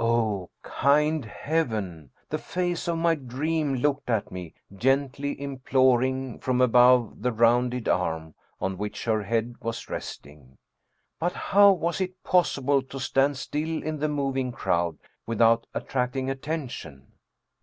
O kind Heaven! The face of my dream looked at me, gently imploring, from above the rounded arm on which her head was rest ing. But how was it possible to stand still in the moving crowd without attracting attention?